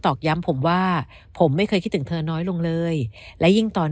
อกย้ำผมว่าผมไม่เคยคิดถึงเธอน้อยลงเลยและยิ่งตอน